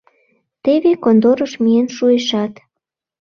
Теве конторыш миен шуэшат...